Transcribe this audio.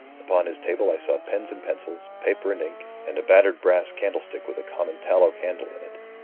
Upon his table I saw pens and pencils, paper and ink, and a battered brass candlestick with a common tallow candle in it.